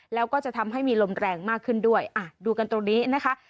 แล้วก็จะทำให้มีลมแรงมากขึ้นด้วยอ่ะดูกันตรงนี้นะคะ